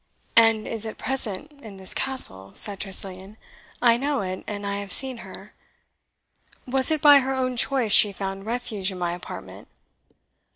"And is at present in this Castle," said Tressilian. "I know it, and I have seen her. Was it by her own choice she found refuge in my apartment?"